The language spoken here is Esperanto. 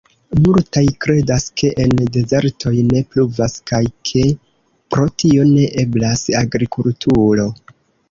Multaj kredas, ke en dezertoj ne pluvas kaj ke pro tio ne eblas agrikulturo.